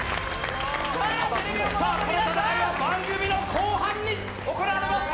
さあ、この戦いは番組の後半に行われます。